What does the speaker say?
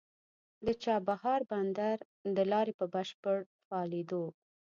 د چابهار بندر د لارې په بشپړ فعالېدو